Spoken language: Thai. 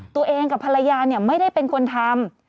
ตัวเองกับภรรยาไม่ได้เป็นคนทำ